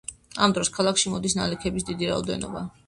ამ დროს ქალაქში მოდის ნალექების დიდი რაოდენობა.